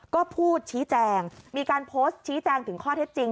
ก็พูดชี้แจงมีการโพสต์ชี้แจงถึงข้อเท็จจริง